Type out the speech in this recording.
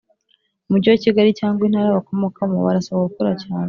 Umujyi wa Kigali cyangwa Intara bakomokamo barasabwa gukora cyane